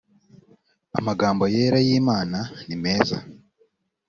amagambo yera y imana nimeza